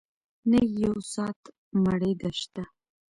نه يې يو ساعت مړېدۀ شته